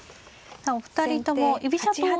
お二人とも居飛車党ですか。